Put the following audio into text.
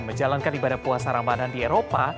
menjalankan ibadah puasa ramadan di eropa